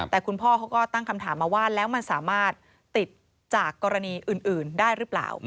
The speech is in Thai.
แต่คุณพ่อเขาก็ตั้งคำถามมาว่าแล้วมันสามารถติดจากกรณีอื่นได้หรือเปล่า